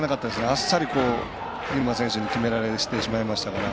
あっさり蛭間選手に決められてしまいましたから。